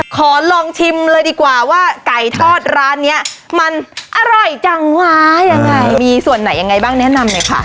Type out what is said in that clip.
ขอลองชิมเลยดีกว่าว่าไก่ทอดร้านเนี้ยมันอร่อยจังวะยังไงมีส่วนไหนยังไงบ้างแนะนำหน่อยค่ะ